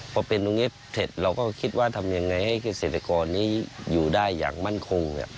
พอเป็นตรงนี้เสร็จเราก็คิดว่าทำยังไงให้เกษตรกรนี้อยู่ได้อย่างมั่นคง